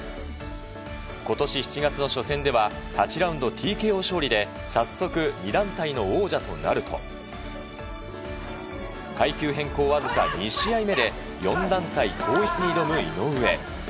今年７月の初戦では８ラウンドＴＫＯ勝利で早速２団体の王者となると階級変更わずか２試合目で４団体統一に挑む井上。